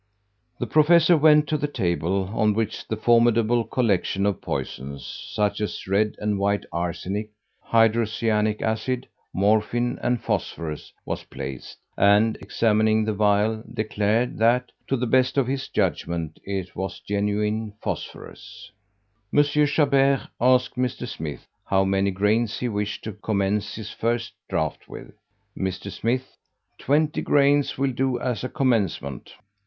The professor went to the table, on which the formidable collection of poisons such as red and white arsenic, hydrocyanic acid, morphine and phosphorus was placed, and, examining the vial, declared, that, to the best of his judgment, it was genuine phosphorus. M. Chabert asked Mr. Smith, how many grains he wished to commence his first draught with. Mr. Smith "Twenty grains will do as a commencement."